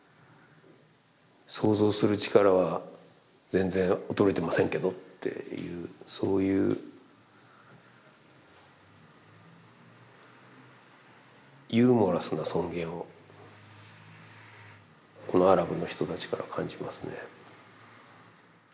想像する力は全然衰えてませんけどっていうそういうこのアラブの人たちから感じますね。